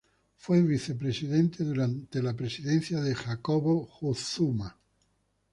Fue vicepresidente durante la presidencia de Jacob Zuma.